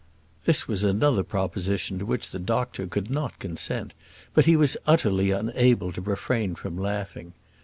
This was another proposition to which the doctor could not consent; but he was utterly unable to refrain from laughing.